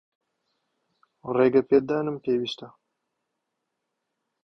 ڕێگەپێدانم پێویستە.